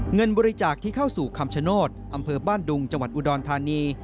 เงินบริจาคที่เข้าสู่คำชโนธอำเภอบ้านดุงจังหวัดอุดรธานี